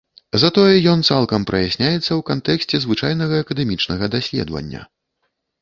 Затое ён цалкам праясняецца ў кантэксце звычайнага акадэмічнага даследавання.